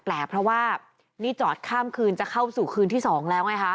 เพราะว่านี่จอดข้ามคืนจะเข้าสู่คืนที่๒แล้วไงคะ